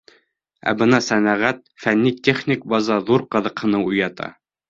Ә бына сәнәғәт, фәнни-техник база ҙур ҡыҙыҡһыныу уята.